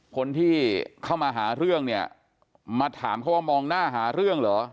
คนที่เข้ามาหาเรื่องเนี่ยมาถามเขาว่ามองหน้าหาเรื่องเหรอ